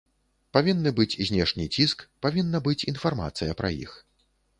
Павінны быць знешні ціск, павінна быць інфармацыя пра іх.